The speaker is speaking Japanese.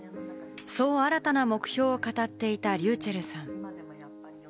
そう、新たな目標を語っていたｒｙｕｃｈｅｌｌさん。